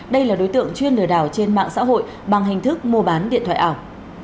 đây là đối tượng chuyên lừa đảo trên mạng xã hội bằng hình thức mua bán điện thoại ảo